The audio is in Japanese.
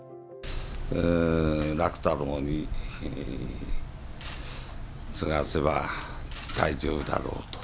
楽太郎に継がせば、大丈夫だろうと。